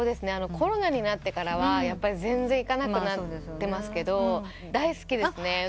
コロナになってからは全然行かなくなってますけど大好きですね。